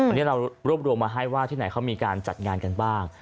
วันนี้เรารวบรวมมาให้ว่าที่ไหนเขามีการจัดงานกันบ้าง